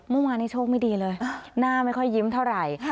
เมื่อวานนี้โชคไม่ดีเลยหน้าไม่ค่อยยิ้มเท่าไหร่